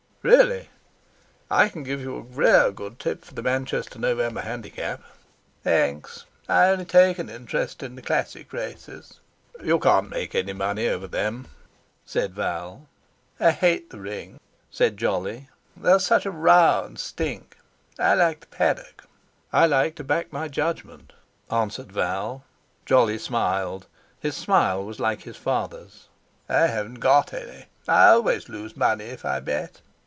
"Really! I can give you a rare good tip for the Manchester November handicap." "Thanks, I only take interest in the classic races." "You can't make any money over them," said Val. "I hate the ring," said Jolly; "there's such a row and stink. I like the paddock." "I like to back my judgment," answered Val. Jolly smiled; his smile was like his father's. "I haven't got any. I always lose money if I bet."